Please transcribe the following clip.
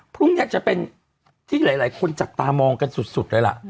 พรุ่งนี้จะเป็นที่หลายคนจับตามองกันสุดเลยล่ะ